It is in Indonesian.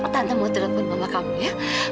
tante mau telepon bapak kamu ya